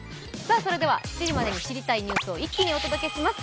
７時までに知りたいニュースを一気にお届けします